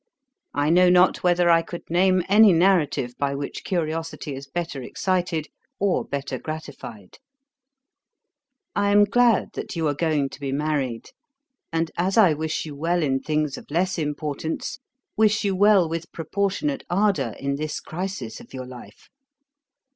I know not whether I could name any narrative by which curiosity is better excited, or better gratified. 'I am glad that you are going to be married; and as I wish you well in things of less importance, wish you well with proportionate ardour in this crisis of your life.